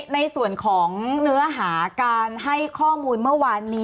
ในส่วนของเนื้อหาการให้ข้อมูลเมื่อวานนี้